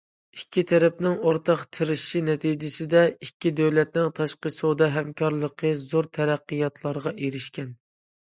ئىككى تەرەپنىڭ ئورتاق تىرىشىشى نەتىجىسىدە، ئىككى دۆلەتنىڭ تاشقى سودا ھەمكارلىقى زور تەرەققىياتلارغا ئېرىشكەن.